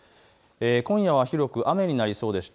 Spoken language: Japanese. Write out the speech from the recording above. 今夜は広く雨になりそうでした。